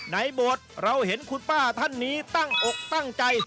โบสถ์เราเห็นคุณป้าท่านนี้ตั้งอกตั้งใจ